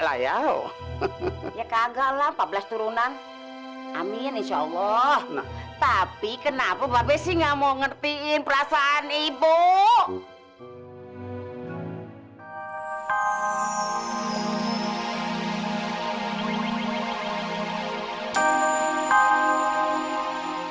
layak ya kagaklah pablas turunan amin insyaallah tapi kenapa coba masalah si true kalau kamu punya